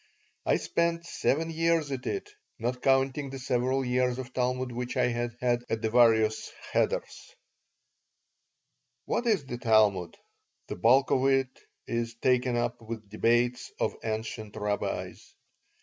I spent seven years at it, not counting the several years of Talmud which I had had at the various cheders What is the Talmud? The bulk of it is taken up with debates of ancient rabbis.